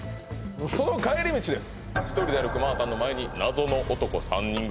その帰り道です